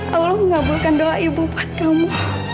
allah mengabulkan doa ibu buat kamu